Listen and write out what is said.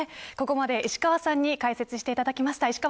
ここまで石川さんに解説していただきました。